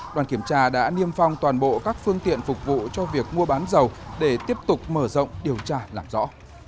đoàn kiểm tra đã niêm phong toàn bộ các phương tiện phục vụ cho việc mua bán dầu để tiếp tục mở rộng điều tra làm rõ